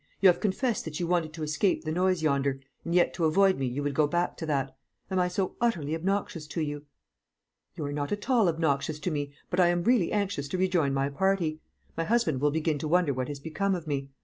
You have confessed that you wanted to escape the noise yonder, and yet to avoid me you would go back to that. Am I so utterly obnoxious to you?" "You are not at all obnoxious to me; but I am really anxious to rejoin my party. My husband will begin to wonder what has become of me.